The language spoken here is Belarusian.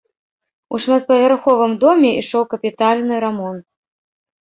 У шматпавярховым доме ішоў капітальны рамонт.